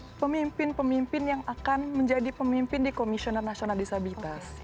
ada pemimpin pemimpin yang akan menjadi pemimpin di komisioner nasional disabilitas